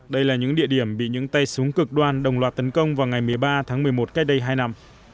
đây là những địa điểm bị những tay súng cực đoan đồng loạt tấn công vào ngày một mươi ba tháng một mươi một cách đây hai năm